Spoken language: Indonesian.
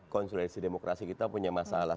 konsolidasi demokrasi kita punya masalah